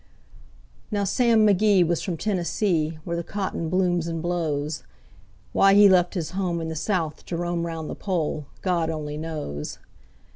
Now Sam McGee was from Tennessee, where the cotton blooms and blows. Why he left his home in the South to roam 'round the Pole, God only knows.